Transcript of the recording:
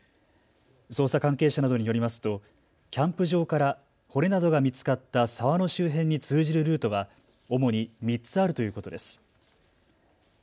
捜査関係者などによりますとキャンプ場から骨などが見つかった沢の周辺に通じるルートは主に３つあるということです。